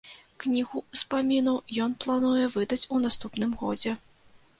Кнігу ўспамінаў ён плануе выдаць у наступным годзе.